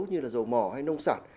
như là dầu mỏ hay nông sản